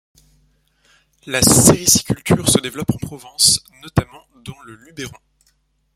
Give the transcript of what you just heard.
La sériciculture se développe en Provence, notamment dans le Luberon.